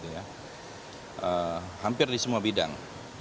hampir di semua bidang